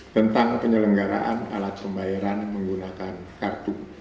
tentang penyelenggaraan alat pembayaran menggunakan kartu